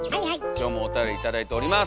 今日もおたより頂いております。